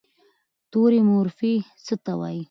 توري مورفي څه ته وایي؟